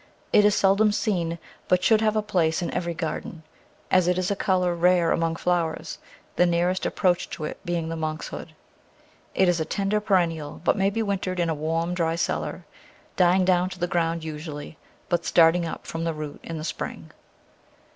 It is seldom seen, but should have a place in every gar den, as it is a colour rare among flowers, the nearest approach to it being the Monkshood. It is a tender perennial, but may be wintered in a warm, dry cellar, dying down to the ground usually, but starting up from the root in the spring.